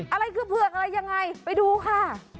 อะไรคือเผือกอะไรยังไงไปดูค่ะ